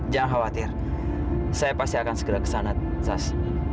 jangan khawatir saya pasti akan segera kesana zaz